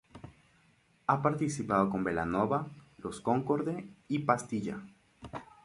Ha participado con Belanova, Los Concorde, y Pastilla.